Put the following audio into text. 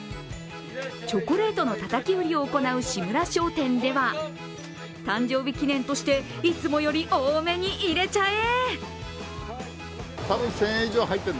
チョコレートのたたき売りを行う志村商店では誕生日記念として、いつもより多めに入れちゃえ。